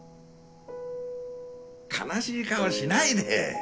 悲しい顔しないで。